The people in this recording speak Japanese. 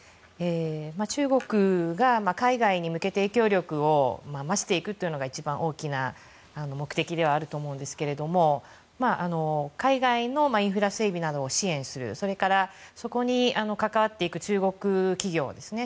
中国が海外に向けて影響力を増していくというのが一番大きな目的ではあると思うんですけども海外のインフラ整備などを支援するそれから、そこに関わっていく中国企業ですね。